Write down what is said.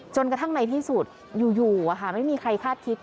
กระทั่งในที่สุดอยู่ไม่มีใครคาดคิด